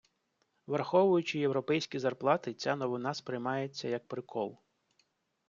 Враховуючи європейські зарплати ця новина сприймається, як прикол.